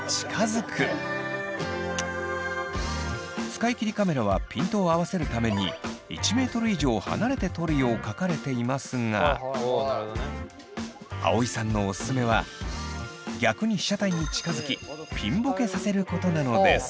使い切りカメラはピントを合わせるために１ｍ以上離れて撮るよう書かれていますが葵さんのオススメは逆に被写体に近づきピンボケさせることなのです。